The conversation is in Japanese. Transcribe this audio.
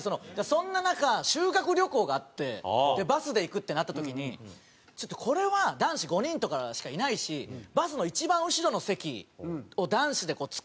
そんな中修学旅行があってバスで行くってなった時にちょっとこれは男子５人とかしかいないしバスの一番後ろの席を男子で使おうと思って。